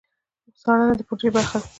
څارنه د پروژې برخه ده